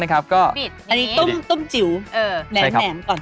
อันนี้ต้มจิ๋วแหนมก่อน